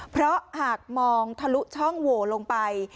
เพราะหากมองทะลุช่องโหวลงไป